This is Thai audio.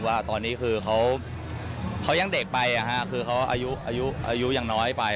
ว่าตอนนี้คือเขายังเด็กไปคือเขาอายุยังน้อยไป